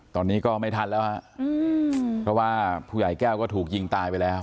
ตอนนี้ก็ไม่ทันแล้วฮะเพราะว่าผู้ใหญ่แก้วก็ถูกยิงตายไปแล้ว